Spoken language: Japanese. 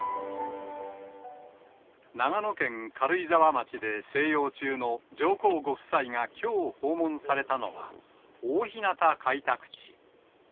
長野県軽井沢町で静養中の上皇ご夫妻がきょう訪問されたのは、大日向開拓地。